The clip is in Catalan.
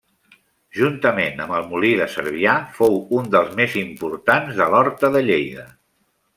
Juntament amb el molí de Cervià fou un dels més importants de l'Horta de Lleida.